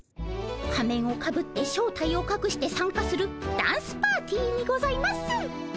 仮面をかぶって正体をかくして参加するダンスパーティーにございます。